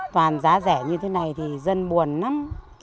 toàn giá rẻ như thế này thì dân buồn lắm